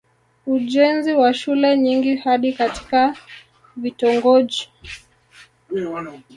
ujenzi wa shule nyingi hadi katika vitongoji